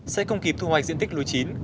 sẽ không kịp thu hoạch diện tích lúa chín